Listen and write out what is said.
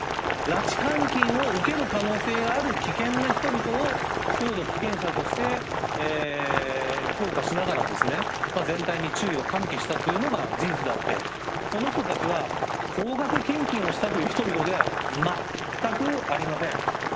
拉致監禁を受ける可能性がある危険な人々を高度危険者として評価しながら、全体に注意を喚起したというのが事実であって、この人たちは、高額献金をしたという人々では全くありません。